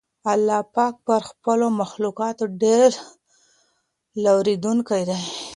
الله پاک پر خپلو مخلوقاتو ډېر لورېدونکی دی.